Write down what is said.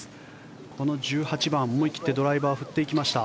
この１８番思い切ってドライバーを振っていきました。